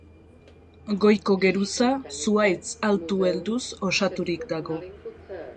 Goiko geruza zuhaitz altu helduz osaturik dago.